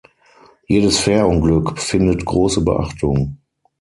Jedes Fährunglück findet große Beachtung.